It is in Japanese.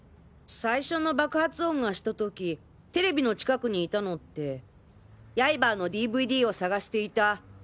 最初の爆発音がした時テレビの近くにいたのってヤイバーのＤＶＤを探していた。